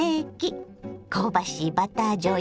香ばしいバターじょうゆ